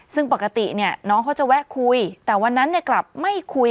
ซึ่งปกติเนี่ยน้องเขาจะแวะคุยแต่วันนั้นกลับไม่คุย